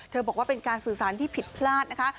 บอกว่าเป็นการสื่อสารที่ผิดพลาดนะคะ